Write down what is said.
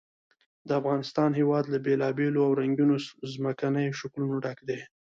د افغانستان هېواد له بېلابېلو او رنګینو ځمکنیو شکلونو ډک دی.